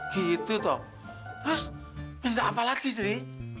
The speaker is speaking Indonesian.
gitu toh terus minta apa lagi sih